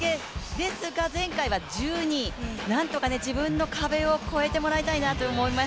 ですが前回は１２位、なんとか自分の壁を超えてもらいたいなと思います。